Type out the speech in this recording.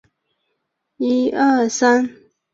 波克斯多夫是德国图林根州的一个市镇。